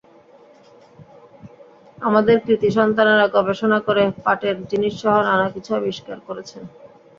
আমাদের কৃতী সন্তানেরা গবেষণা করে পাটের জিনসহ নানা কিছু আবিষ্কার করছেন।